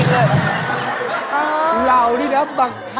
พี่ผมไม่เห็นเดินนะอย่าโกหกงั้นจะนุ่นนี่เบิร์ต